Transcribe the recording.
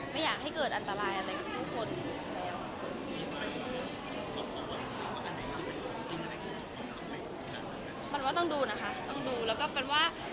ไม่อยากให้เกิดอันตรายอะไรกับทุกคนแล้ว